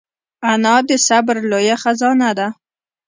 انا د صبر لویه خزانه ده